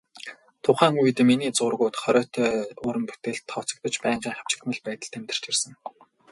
Тухайн үед миний зургууд хориотой уран бүтээлд тооцогдож, байнгын хавчигдмал байдалд амьдарч ирсэн.